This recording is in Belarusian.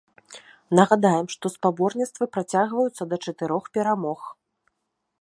Нагадаем, што спаборніцтва працягваецца да чатырох перамог.